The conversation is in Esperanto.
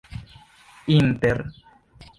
inter